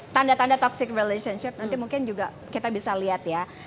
tanda tanda toxic relationship nanti mungkin juga kita bisa lihat ya